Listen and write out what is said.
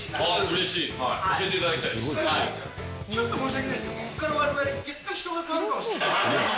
うれしい、ただ、ちょっと申し訳ないですけども、ここからわれわれ、若干人が変わるかもしれない。